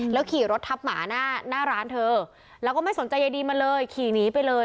ขี่รถทับหมาหน้าร้านเธอแล้วก็ไม่สนใจใยดีมาเลยขี่หนีไปเลย